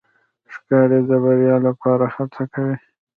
ښکاري د بریا لپاره هڅه کوي.